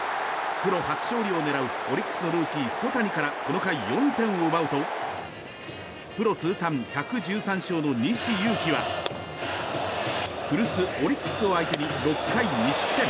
プロ初勝利を狙うオリックスのルーキー、曽谷からこの回、４点を奪うとプロ通算１１３勝の西勇輝は古巣オリックスを相手に６回２失点。